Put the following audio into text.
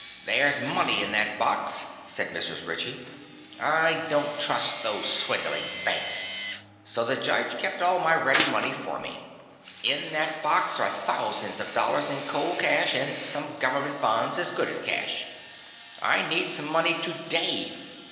"There's money in that box," said Mrs. Ritchie. "I don't trust those swindling banks, so the judge kept all my ready money for me. In that box are thousands of dollars in cold cash, an' some government bonds as good as cash. I need some money to day.